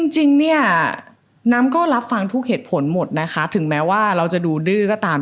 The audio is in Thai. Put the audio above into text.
จริงเนี่ยน้ำก็รับฟังทุกเหตุผลหมดนะคะถึงแม้ว่าเราจะดูดื้อก็ตาม